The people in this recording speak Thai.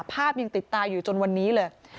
ภาพยังติดตาอยู่จนวันนี้เลย